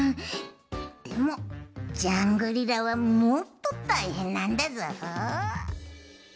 でもジャングリラはもっとたいへんなんだぞ。